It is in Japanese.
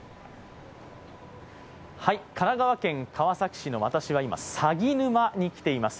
神奈川県川崎市の鷺沼に来ています。